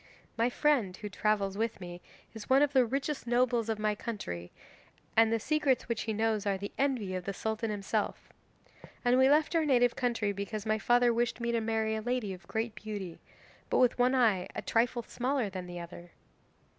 My friend, who travels with me, is one of the richest nobles of my country, and the secrets which he knows are the envy of the Sultan himself. And we left our native country because my father wished me to marry a lady of great beauty, but with one eye a trifle smaller than the other."